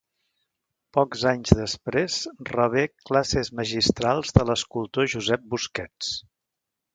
Pocs anys després rebé classes magistrals de l’escultor Josep Busquets.